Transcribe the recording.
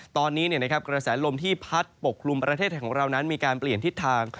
ตอนนี้กระแสลมที่พัดปกคลุมประเทศไทยของเรานั้นมีการเปลี่ยนทิศทาง